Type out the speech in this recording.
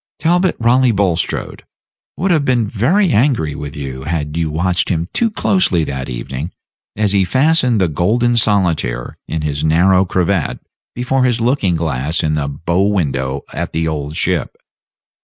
Talbot Raleigh Bulstrode would have been very angry with you had you watched him too closely that evening as he fastened the golden solitaire in his narrow cravat before his looking glass in the bow window at the Old Ship.